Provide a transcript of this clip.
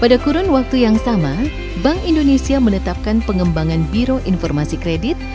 pada kurun waktu yang sama bank indonesia menetapkan pengembangan biro informasi kredit